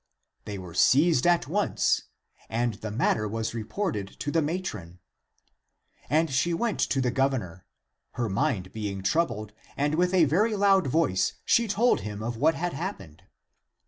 They were seized at once and the matter was reported to the matron. And she went to the gov ernor, her mind being troubled, and with a very loud voice she told him of what had happened.